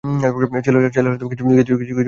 ছেলেরা কিছু না বুঝিয়া কাঁদিয়া উঠিল।